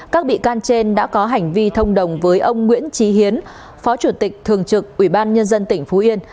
các bị can trên đã có hành vi thông đồng với ông nguyễn trí hiến phó chủ tịch thường trực ubnd tp yên